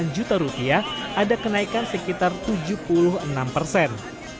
enam puluh sembilan juta rupiah ada kenaikan sekitar tujuh puluh enam persen